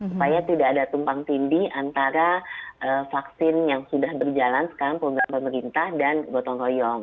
supaya tidak ada tumpang tindih antara vaksin yang sudah berjalan sekarang program pemerintah dan gotong royong